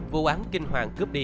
vụ án kinh hoàng cướp đi